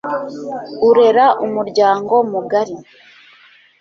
urera umuryango mugari